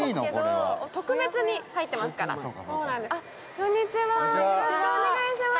こんにちは、よろしくお願いします。